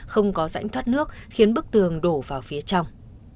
không có rãnh thoát nước khiến bức tường đổ vào phía trong